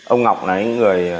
ông ngọc là những người